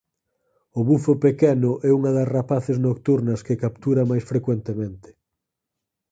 O bufo pequeno é unha das rapaces nocturnas que captura máis frecuentemente.